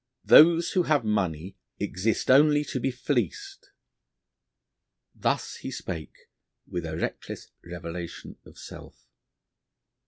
'Those who have money exist only to be fleeced.' Thus he spake with a reckless revelation of self.